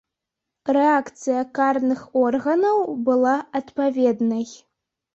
Рэакцыя карных органаў была адпаведнай.